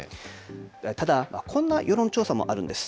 ただこんな世論調査もあるんです。